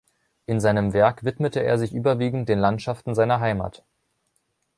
In seinem Werk widmete er sich überwiegend den Landschaften seiner Heimat.